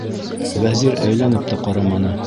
Вәзир әйләнеп тә ҡараманы.